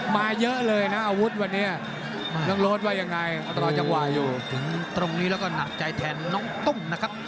มาเยอะเลยนะอาวุธวันนี้น้องโรดว่ายังไงรอจังหวะอยู่ถึงตรงนี้แล้วก็หนักใจแทนน้องตุ้มนะครับ